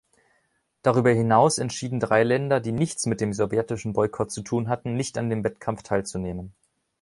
Darüber hinaus entschieden drei Länder, die nichts mit dem sowjetischen Boykott zu tun hatten, nicht an dem Wettkampf teilzunehmen.